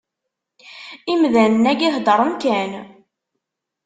Imdanen-agi, heddren kan.